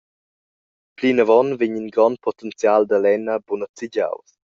Plinavon vegn in grond potenzial da lenna buca nezegiaus.